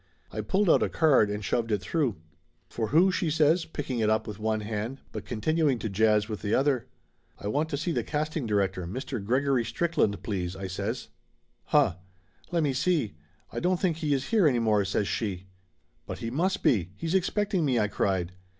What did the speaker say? I pulled out a card and shoved it through. "For who?" she says, picking it up with one hand, but continuing to jazz with the other. "I want to see the casting director, Mr. Gregory Strickland, please !" I says. "Huh! Lemme see I don't think he is here any more," says she. "But he must be. He's expecting me!" I cried.